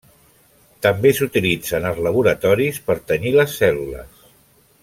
També s'utilitza en els laboratoris per tenyir les cèl·lules.